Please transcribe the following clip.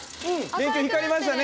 電球光りましたね。